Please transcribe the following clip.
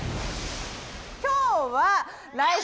今日は来週